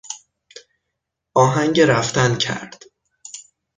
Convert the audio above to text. آهنگ رفتن کرد.